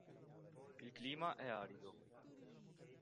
Il clima è arido.